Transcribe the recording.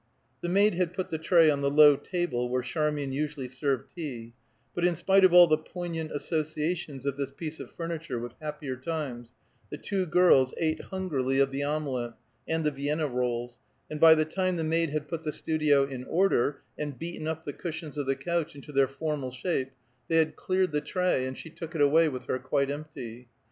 The maid had put the tray on the low table where Charmian usually served tea, but in spite of all the poignant associations of this piece of furniture with happier times, the two girls ate hungrily of the omelette and the Vienna rolls; and by the time the maid had put the studio in order, and beaten up the cushions of the couch into their formal shape, they had cleared the tray, and she took it away with her quite empty.